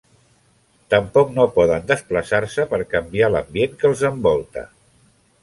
Tampoc no poden desplaçar-se per canviar l'ambient que els envolta.